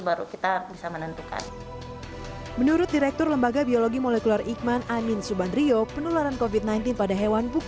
baru kita bisa menentukan menurut direktur lembaga biologi molekuler iqman amin subandrio penularan